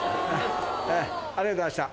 ええありがとうございました。